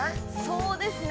◆そうですね。